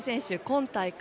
今大会